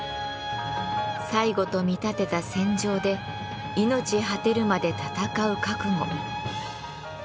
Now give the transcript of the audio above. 最期と見立てた戦場で命果てるまで戦う覚悟。